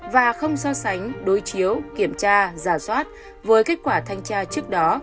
và không so sánh đối chiếu kiểm tra giả soát với kết quả thanh tra trước đó